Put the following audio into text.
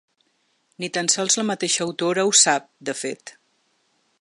Ni tan sols la mateixa autora ho sap, de fet.